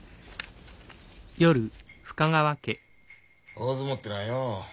大相撲ってのはよ